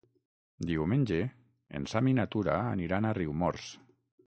Diumenge en Sam i na Tura aniran a Riumors.